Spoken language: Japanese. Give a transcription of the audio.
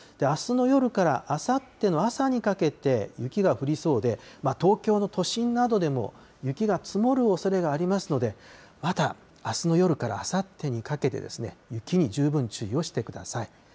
あすの夜からあさっての朝にかけて雪が降りそうで、東京の都心などでも、雪が積もるおそれがありますので、またあすの夜からあさってにかけてですね、雪に十分注意をしてください。